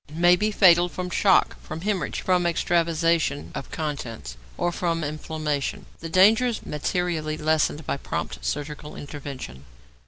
= May be fatal from shock, from hæmorrhage, from extravasation of contents, or from inflammation. The danger is materially lessened by prompt surgical intervention.